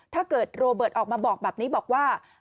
ถ้าเกิดโรเบิร์ตออกมาบอกแบบนี้บอกว่า